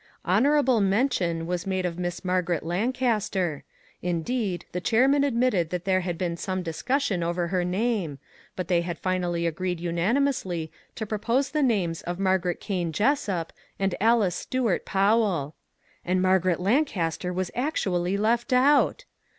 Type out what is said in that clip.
Honorable men tion was made of Miss Margaret Lancaster; indeed, the chairman admitted that there had been some discussion over her name, but they had finally agreed unanimously to propose the names of Margaret Kane Jessup and Alice Stuart Powell. And Margaret Lancaster was actually left out!